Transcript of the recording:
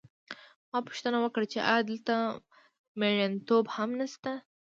ما پوښتنه وکړه چې ایا دلته مېړنتوب هم نشته